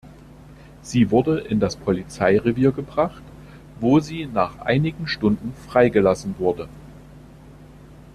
Sie wurde in das Polizeirevier gebracht, wo sie nach einigen Stunden freigelassen wurde.